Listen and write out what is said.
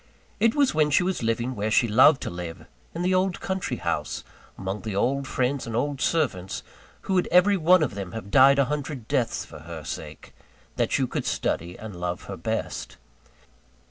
It was when she was living where she loved to live, in the old country house, among the old friends and old servants who would every one of them have died a hundred deaths for her sake, that you could study and love her best.